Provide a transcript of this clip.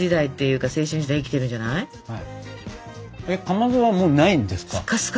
かまどはもうないんですか？